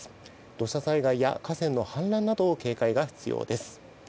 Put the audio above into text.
土砂災害や河川の氾濫など警戒が必要です。